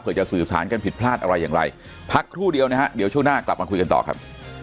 เพื่อจะสื่อสารกันผิดพลาดอะไรอย่างไรพักครู่เดียวนะฮะเดี๋ยวช่วงหน้ากลับมาคุยกันต่อครับ